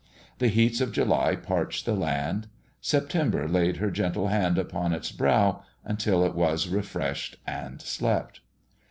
The heats of July parched the land; September laid her gentle hand upon its brow until it was refreshed and slept.